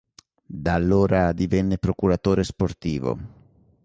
Da allora divenne procuratore sportivo.